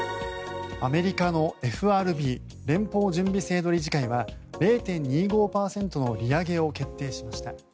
アメリカのＦＲＢ・連邦準備制度理事会は０．２５％の利上げを決定しました。